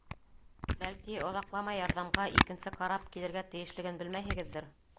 Бәлки, оҙаҡламай ярҙамға икенсе карап килергә тейешлеген белмәйһегеҙҙер?